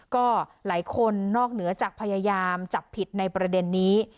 ก็หลายคนนอกเหนือจากพยายามจับผิดในประเด็นนี้